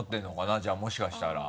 じゃあもしかしたら。